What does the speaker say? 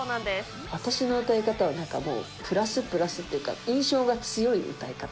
私の歌い方はなんか、もうプラスプラスっていうか、印象が強い歌い方。